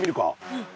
うん。